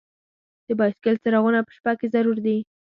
د بایسکل څراغونه په شپه کې ضرور دي.